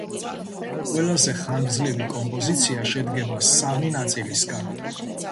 ყველაზე ხანგრძლივი კომპოზიცია შედგება სამი ნაწილისგან.